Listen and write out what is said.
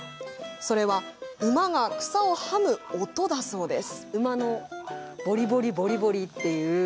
それは馬が草をはむ音だそうです。